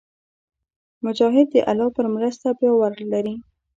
مجاهد د الله پر مرسته باور لري.